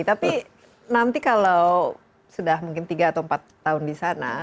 tapi nanti kalau sudah mungkin tiga atau empat tahun di sana